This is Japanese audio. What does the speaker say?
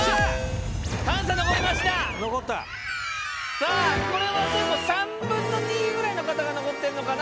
さあこれはでも３分の２ぐらいの方が残ってるのかな